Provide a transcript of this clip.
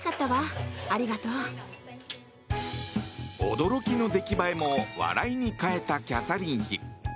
驚きの出来栄えも笑いに変えたキャサリン妃。